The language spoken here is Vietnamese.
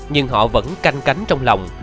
nhưng họ vẫn canh cánh trong lòng